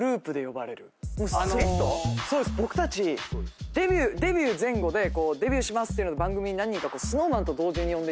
僕たちデビュー前後でデビューしますっていうので番組に何人かＳｎｏｗＭａｎと同時に呼んでいただくこと結構あった。